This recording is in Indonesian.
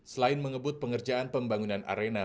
selain mengebut pengerjaan pembangunan arena